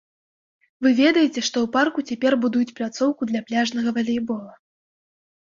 Вы ведаеце, што ў парку цяпер будуюць пляцоўку для пляжнага валейбола.